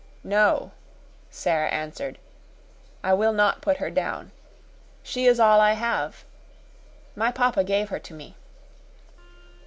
"No," Sara answered. "I will not put her down. She is all I have. My papa gave her to me."